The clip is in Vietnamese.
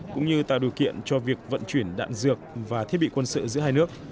cũng như tạo điều kiện cho việc vận chuyển đạn dược và thiết bị quân sự giữa hai nước